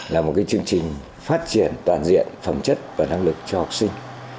là một chương trình phát triển toàn diện phẩm chất và năng lực cho học sinh